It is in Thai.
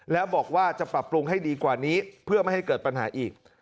แล้วบอกว่าจะปรับปรุงให้ดีกว่านี้เพื่อไม่ให้เกิดปัญหาอีก